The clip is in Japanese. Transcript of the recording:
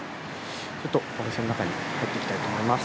ちょっとお店の中に入っていきたいと思います。